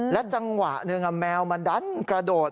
จังหวะหนึ่งแมวมันดันกระโดด